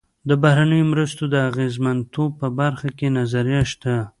د بهرنیو مرستو د اغېزمنتوب په برخه کې نظریه شته.